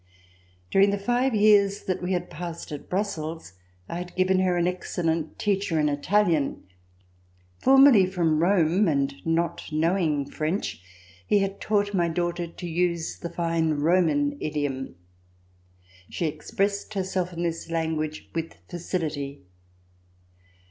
During the five years that we had passed at Brussels I had given her an excellent teacher in Italian. Formerly from Rome and not knowing French, he had taught my daughter to use the fine Roman idiom. She expressed herself in this language with facility.